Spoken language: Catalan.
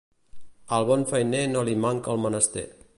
Al bon feiner no li manca el menester.